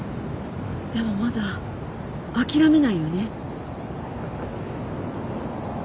でもまだ諦めないよね。